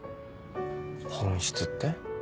本質って？